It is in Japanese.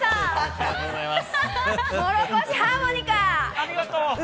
ありがとう。